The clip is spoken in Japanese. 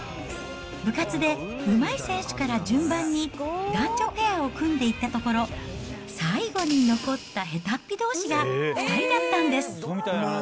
部活でうまい選手から順番に男女ペアを組んでいったところ、最後に残った下手っぴどうしが、２人だったんです。